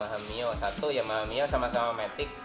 mahamio satu ya mahamio sama sama metik